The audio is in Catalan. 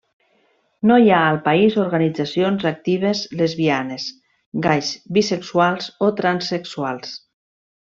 No hi ha al país organitzacions actives lesbianes, gais, bisexuals, o transsexuals.